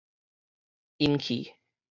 淹去